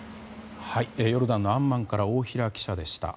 ヨルダンのアンマンから大平記者でした。